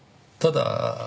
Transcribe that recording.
ただ。